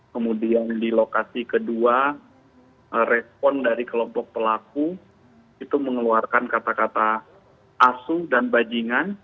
kemudian di lokasi kedua respon dari kelompok pelaku itu mengeluarkan kata kata asuh dan bajingan